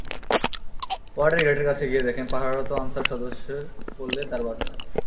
ওয়ার্ডের গেটের কাছে গিয়ে দেখেন পাহারারত আনসার সদস্যের কোলে তাঁর বাচ্চা।